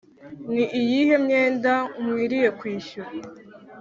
Ni iyihe myenda nkwiriye kwishyura